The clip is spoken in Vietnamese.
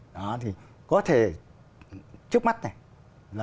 đó thì có thể trước mắt này